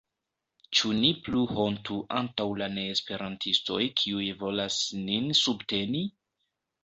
Ĉu ni plu hontu antaŭ la neesperantistoj kiuj volas nin subteni?